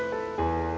gak ada apa apa